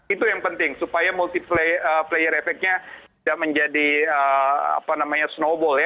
itu yang penting supaya multiplayer efeknya tidak menjadi snowball ya